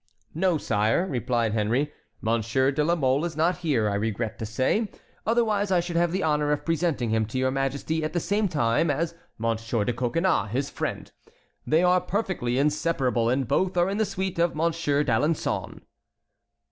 "No, sire," replied Henry, "Monsieur de la Mole is not here, I regret to say. Otherwise I should have the honor of presenting him to your Majesty at the same time as Monsieur de Coconnas, his friend. They are perfectly inseparable, and both are in the suite of Monsieur d'Alençon."